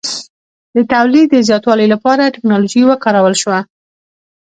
د تولید د زیاتوالي لپاره ټکنالوژي وکارول شوه.